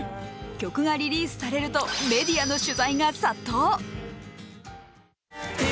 曲がリリースされるとメディアの取材が殺到。